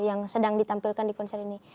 yang sedang ditampilkan di konser ini